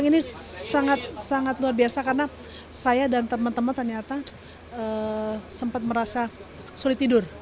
ini sangat sangat luar biasa karena saya dan teman teman ternyata sempat merasa sulit tidur